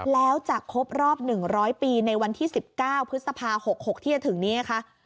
แล้วจะครบรอบ๑๐๐ปีในวันที่๑๙พฤษภา๖๖ที่จะถึงนี้นะคะ